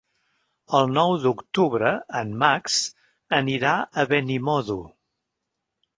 El nou d'octubre en Max anirà a Benimodo.